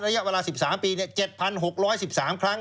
ระยะเวลา๑๓ปี๗๖๑๓ครั้ง